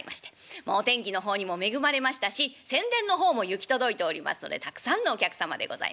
もうお天気の方にも恵まれましたし宣伝の方も行き届いておりますのでたくさんのお客様でございます。